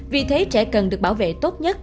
vì thế trẻ cần được bảo vệ tốt nhất